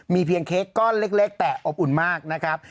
เพียงเค้กก้อนเล็กแต่อบอุ่นมากนะครับ